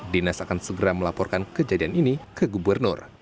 dinas akan segera melaporkan kejadian ini ke gubernur